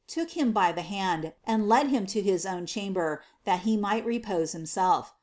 took him by the hand, anil led him lo his own chdt ber, thi ht re[]ose himself.